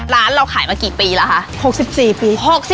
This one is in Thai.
ร้านเราขายมากี่ปีแล้วคะ